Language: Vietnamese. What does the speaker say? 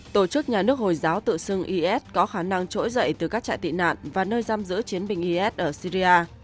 tổ chức nhà nước hồi giáo tự xưng is có khả năng trỗi dậy từ các trại tị nạn và nơi giam giữ chiến binh is ở syria